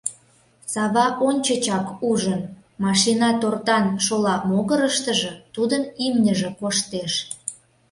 Сава ончычак ужын: машина тортан шола могырыштыжо тудын имньыже коштеш.